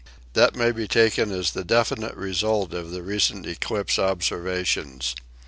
That may be taken as the definite result of the recent eclipse observations.